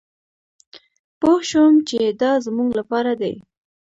پوه شوم چې دا زمونږ لپاره دي.